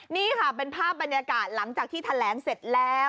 นี่ค่ะเป็นภาพบรรยากาศหลังจากที่แถลงเสร็จแล้ว